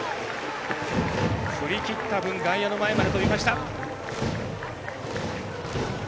振り切った分、外野の前まで飛びました。